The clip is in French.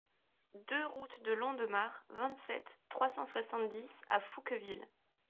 deux route de Londemare, vingt-sept, trois cent soixante-dix à Fouqueville